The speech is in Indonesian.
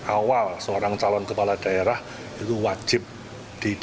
awal seorang calon kepala daerah itu wajib di dprd